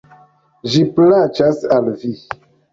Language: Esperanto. Ĝi plaĉas al vi!